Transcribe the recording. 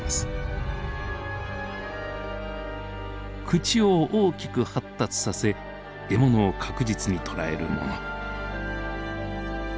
口を大きく発達させ獲物を確実に捉えるもの。